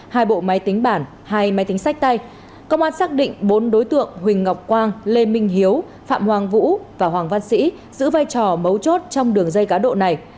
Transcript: hai bộ máy tính bản hai máy tính sách tay công an xác định bốn đối tượng huỳnh ngọc quang lê minh hiếu phạm hoàng vũ và hoàng văn sĩ giữ vai trò mấu chốt trong đường dây cá độ này